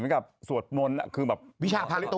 มันคือวิชาภารกิจตัว